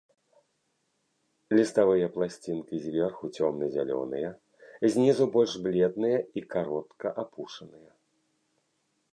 Ліставыя пласцінкі зверху цёмна-зялёныя, знізу больш бледныя і каротка апушаныя.